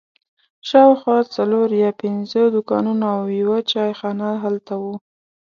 شاوخوا څلور یا پنځه دوکانونه او یوه چای خانه هلته وه.